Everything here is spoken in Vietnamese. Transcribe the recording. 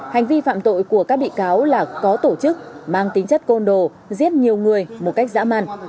hành vi phạm tội của các bị cáo là có tổ chức mang tính chất côn đồ giết nhiều người một cách dã man